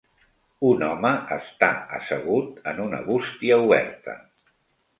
Un home està assegut en una bústia oberta.